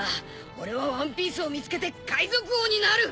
俺はワンピースを見つけて海賊王になる！